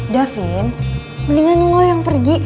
davin mendingan lo yang pergi